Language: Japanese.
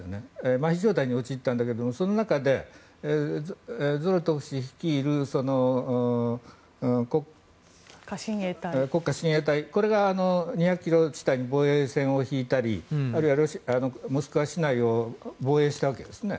まひ状態に陥ったんだけどその中でゾロトフ氏率いる国家親衛隊これが２００ｋｍ地帯に防衛線を引いたりあるいはモスクワ市内を防衛したわけですね。